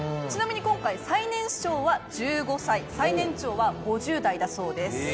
ちなみに今回最年少は１５歳最年長は５０代だそうです。